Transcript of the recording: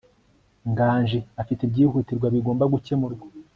nganji afite ibyihutirwa bigomba gukemurwa